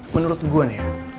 menurut gue nih ya